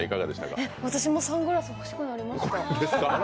私もサングラス、欲しくなりました。